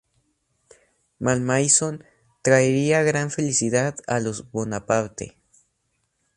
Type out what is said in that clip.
Malmaison traería gran felicidad a los Bonaparte.